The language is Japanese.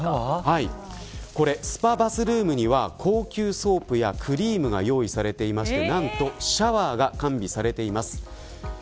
スパバスルームには高級ソープやクリームが用意されていてなんとシャワーが完備されています。